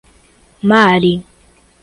Mari